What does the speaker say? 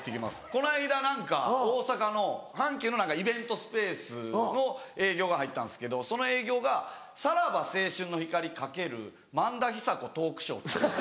この間何か大阪の阪急のイベントスペースの営業が入ったんですけどその営業が「さらば青春の光×萬田久子トークショー」。